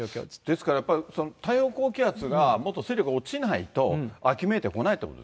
ですからやっぱり、太平洋高気圧がもっと勢力が落ちないと秋めいてこないということ。